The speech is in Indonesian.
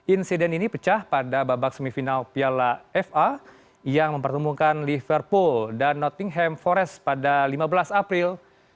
insiden ini pecah pada babak semifinal piala fa yang mempertemukan liverpool dan nottingham forest pada lima belas april seribu sembilan ratus delapan puluh sembilan